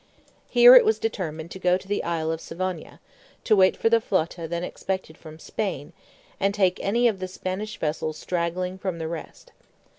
Here it was determined to go to the isle of Savona, to wait for the flota then expected from Spain, and take any of the Spanish vessels straggling from the rest.